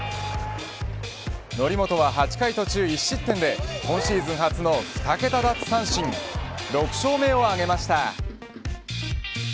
則本は８回途中１失点で今シーズン初の２桁奪三振６勝目を挙げました。